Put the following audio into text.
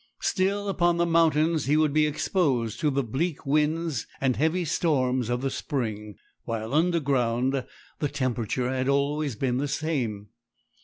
Still upon the mountains he would be exposed to the bleak winds and heavy storms of the spring; while underground the temperature had always been the same.